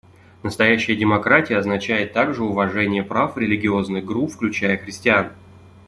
Настоящая демократия означает также уважение прав религиозных групп, включая христиан.